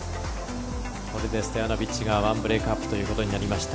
これでストヤノビッチが１ブレークアップということになりました。